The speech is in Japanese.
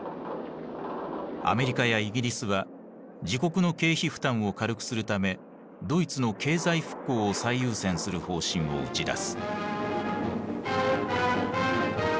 アメリカやイギリスは自国の経費負担を軽くするためドイツの経済復興を最優先する方針を打ち出す。